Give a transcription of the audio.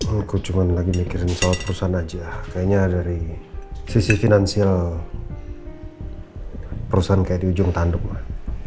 aku cuma lagi mikirin pesawat perusahaan aja kayaknya dari sisi finansial perusahaan kayak di ujung tanduk lah